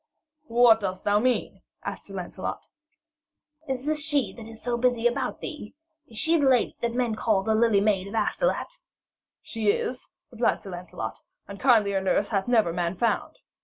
'What dost thou mean?' asked Sir Lancelot. 'Is this she that is so busy about thee is she the lady that men call the Lily Maid of Astolat?' 'She it is,' replied Sir Lancelot, 'and kindlier nurse hath never man found.'